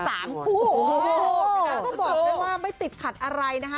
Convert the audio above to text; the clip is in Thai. โอ้โฮแล้วก็บอกได้ว่าไม่ติดขัดอะไรนะฮะ